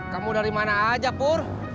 kamu dari mana aja pur